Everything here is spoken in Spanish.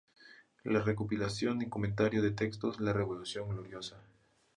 La recopilación y comentario de textos, "La revolución gloriosa.